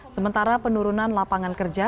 sementara penurunan lapangan kerja